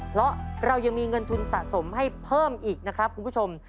เพราะเรายังมีเงินทุนสะสมให้เพิ่มอีกนะครับคุณผู้ชม